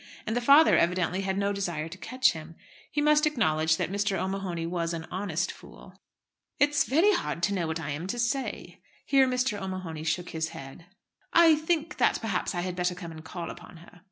And the father evidently had no desire to catch him. He must acknowledge that Mr. O'Mahony was an honest fool. "It's very hard to know what I'm to say." Here Mr. O'Mahony shook his head. "I think that, perhaps, I had better come and call upon her."